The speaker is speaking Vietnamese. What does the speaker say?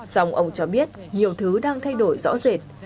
song ông cho biết nhiều thứ đang thay đổi rõ rệt